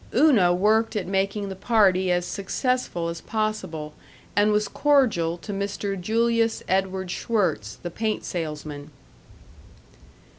Una worked at making the party as successful as possible, and was cordial to Mr. Julius Edward Schwirtz, the paint salesman.